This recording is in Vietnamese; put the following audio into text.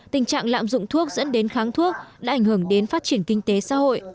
tình trạng lạm dụng thuốc dẫn đến kháng thuốc đã ảnh hưởng đến phát triển kinh tế xã hội